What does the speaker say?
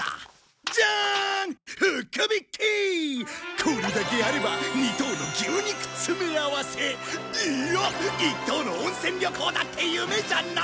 これだけあれば二等の牛肉詰め合わせいや一等の温泉旅行だって夢じゃない！